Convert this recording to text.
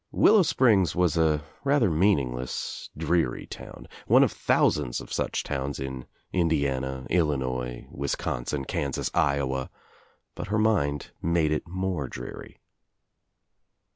' Willow Springs was a rather meaningless, dreary town, one of thousands of such towns in Indiana, Illi nois, Wisconsin, Kansas, Iowa, but her mind made tt more dreary.